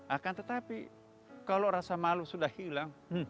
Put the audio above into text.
akan tetapi kalau rasa malu sudah hilang